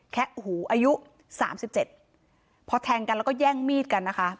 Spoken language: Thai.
หูอายุสามสิบเจ็ดพอแทงกันแล้วก็แย่งมีดกันนะคะ